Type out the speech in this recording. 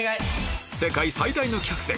世界最大の客船